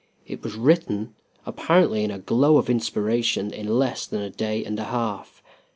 It was written, apparently in a glow of inspiration, in less than a day and a half.